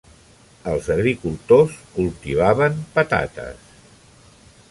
Els agricultors cultivaven patates.